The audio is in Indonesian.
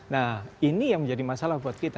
nah ini yang menjadi masalah buat kita